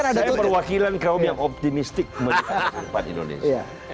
saya perwakilan kaum yang optimistik menurut pak indonesia